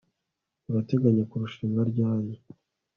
Urateganya kurushinga ryari